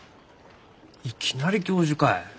いきなり教授かえ？